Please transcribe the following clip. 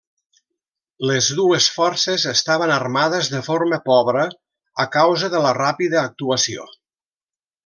Les dues forces estaven armades de forma pobra a causa de la ràpida actuació.